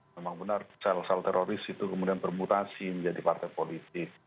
memang benar sel sel teroris itu kemudian bermutasi menjadi partai politik